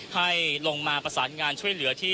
คุณทัศนาควดทองเลยค่ะ